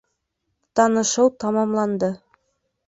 Танышыу тамамланды.